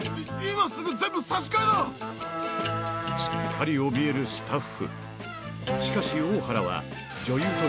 い、すっかりおびえるスタッフ。